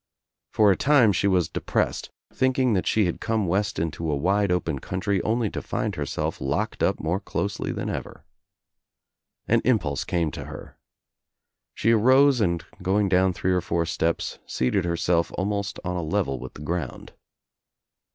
For a time she was depressed, thinking that she had come west into a wide open country, only to find herself locked up more closely than ever. An impulse came to her. She arose and going down three or four steps seated herself almost on a level with the ground.